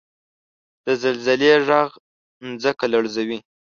• د زلزلې ږغ ځمکه لړزوي.